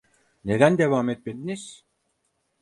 Neden devam etmediniz?